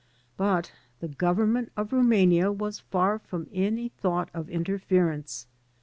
But the Government of Rumania was far from any thought of interference.